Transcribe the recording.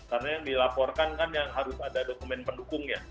karena yang dilaporkan kan yang harus ada dokumen pendukungnya